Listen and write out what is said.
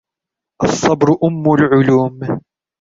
الصبر أُمُّ العلوم.